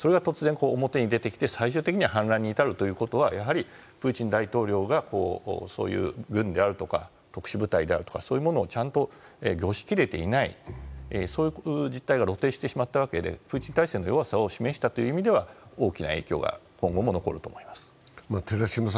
それが突然表に出てきて、最終的には反乱に至るというのはやはりプーチン大統領がそういう軍であるとか特殊部隊であるとかそういうものをちゃんと御しきれていないという実態が露呈してしまったわけで、プーチン体制の弱さを示したという意味では大きな影響が今後も残ると思います。